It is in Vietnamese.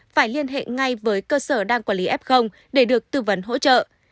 phải liên hệ ngay với cơ sở đang quản lý f để được tư vấn hỗ trợ